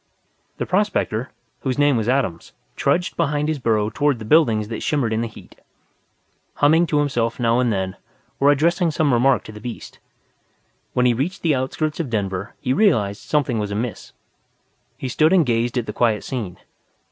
The prospector, whose name was Adams, trudged behind his burro toward the buildings that shimmered in the heat, humming to himself now and then or addressing some remark to the beast. When he reached the outskirts of Denver he realized something was amiss. He stood and gazed at the quiet scene.